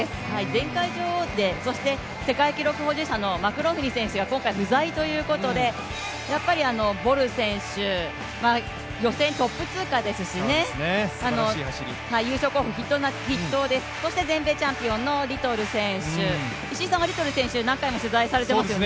前回女王で世界記録保持者のマクローフリン選手が今回不在ということで、やっぱりボル選手、予選トップ通過ですしね、優勝候補筆頭です、そして全米チャンピオンのリトル選手、石井さんはリトル選手、何回も取材されていますよね。